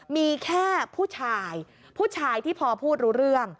มีแค่ผู้ชายผู้ชายที่พอพูดรู้เรื่อง